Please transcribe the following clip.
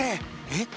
えっ？